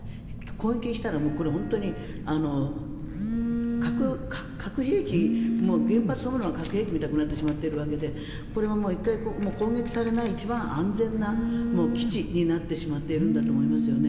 攻撃したら本当に核兵器も原発そのものが核兵器みたいになってしまっているわけでこれは攻撃されない一番安全な基地になってしまっているんだと思いますよね。